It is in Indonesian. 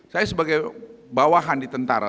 saya sebagai bawahan di tentara